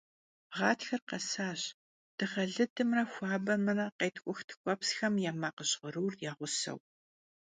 Ğatxer khesaş dığe lıdımre xuabemre, khêtk'ux tk'uepsxem ya makh jğırur ya ğuseu.